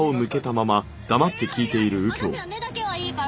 私ら目だけはいいから！